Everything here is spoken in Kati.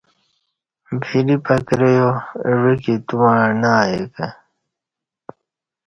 وری پکرہ یا عویکی تووعݩع نہ ائے کہ